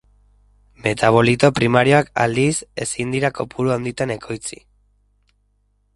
Metabolito primarioak, aldiz, ezin dira kopuru handitan ekoitzi.